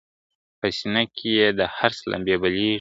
په سینه کي یې د حرص لمبې بلیږي !.